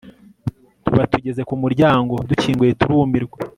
tuba tugeze ku mumuryango dukinguye turumirwa